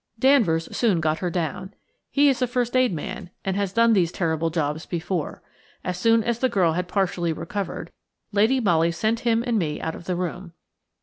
Danvers soon got her down. He is a first aid man, and has done these terrible jobs before. As soon as the girl had partially recovered, Lady Molly sent him and me out of the room.